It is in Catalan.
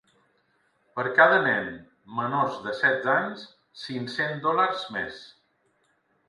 Per cada nen menors de setze anys, cinc-cents dòlars més.